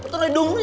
tôi nói đúng